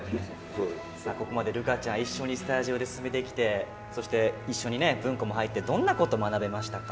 さあここまで琉楓ちゃん一緒にスタジオで進めてきてそして一緒にね文庫も入ってどんなこと学べましたか？